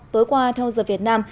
tối qua theo giờ việt nam